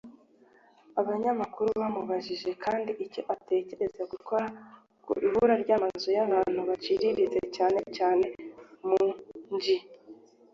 Abanyamakuru bamubajije kandi icyo ateganya gukora ku ibura ry’amazu y’abantu baciriritse cyane cyane mu mijyi